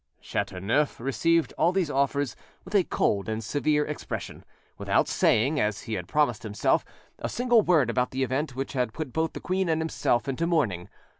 Chateauneuf received all these offers with a cold and severe expression, without saying, as he had promised himself, a single word about the event which had put both the queen and himself into mourning.